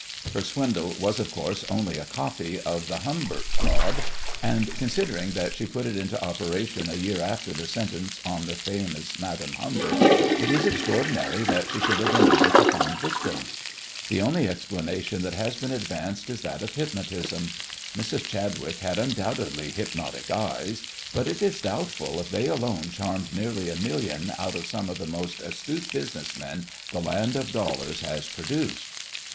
Her swindle was, of course, only a copy of the Humbert fraud, and, considering that she put it into operation a year after the sentence on the famous Madame Humbert, it is extraordinary that she should have been able to find victims. The only explanation that has been advanced is that of hypnotism. Mrs. Chadwick had undoubtedly "hypnotic eyes," but it is doubtful if they alone charmed nearly a million out of some of the most astute business men the land of dollars has produced.